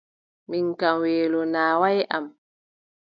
Mi kam weelo naawaay am.